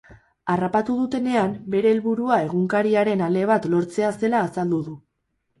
Harrapatu dutenean, bere helburua egunkariaren ale bat lortzea zela azaldu du.